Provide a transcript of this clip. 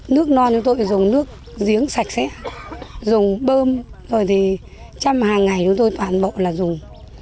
nước non chúng tôi phải dùng nước giếng sạch sẽ dùng bơm rồi thì trăm hàng ngày chúng tôi toàn bộ là dùng